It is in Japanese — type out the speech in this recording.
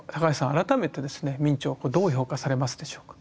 改めてですね明兆どう評価されますでしょうか。